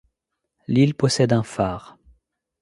L'île possède un phare.